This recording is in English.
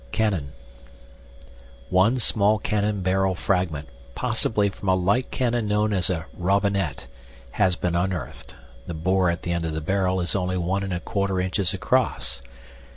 CANNON One small cannon barrel fragment, possibly from a light cannon known as a robinet, has been unearthed (the bore at the end of the barrel is only 1 1/4 inches across).